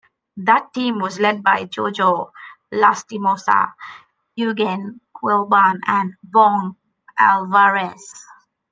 That team was led by Jojo Lastimosa, Eugene Quilban and Bong Alvarez.